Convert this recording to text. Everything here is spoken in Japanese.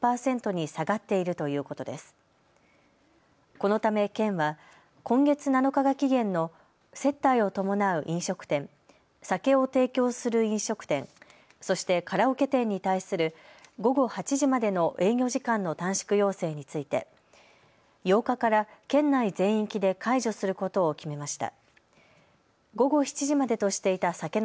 このため県は今月７日が期限の接待を伴う飲食店、酒を提供する飲食店、そしてカラオケ店に対する午後８時までの営業時間の短縮要請について８日から県内全域で解除することを決めました。